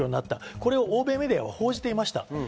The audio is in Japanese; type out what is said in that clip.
これを欧米メディアが報じていました。